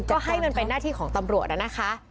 ก็ให้มันเป็นหน้าที่ของตำรวจนะคะ